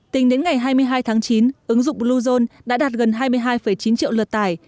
tính đến ngày hai mươi hai tháng chín ứng dụng bluezone đã đạt gần hai mươi hai chín triệu lượt tải